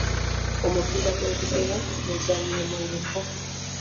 Omupiira gw'ebigere muzannyo munyuvu.